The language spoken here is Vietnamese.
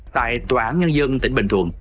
tại tòa án nhân dân tỉnh bình thuận